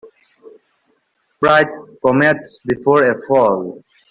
Pride cometh before a fall.